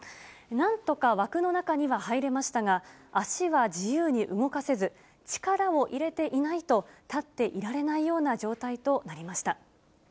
なんとか枠の中には入れましたが、足は自由に動かせず、力を入れていないと、立っていられないような状態となりました。